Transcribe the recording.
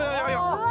うわ！